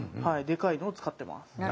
でかいのを使ってます。